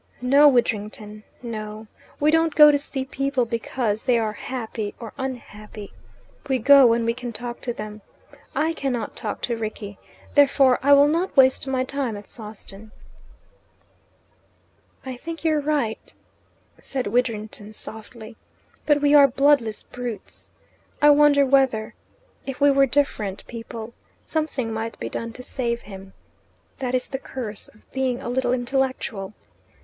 "No, Widdrington; no. We don't go to see people because they are happy or unhappy. We go when we can talk to them. I cannot talk to Rickie, therefore I will not waste my time at Sawston." "I think you're right," said Widdrington softly. "But we are bloodless brutes. I wonder whether If we were different people something might be done to save him. That is the curse of being a little intellectual.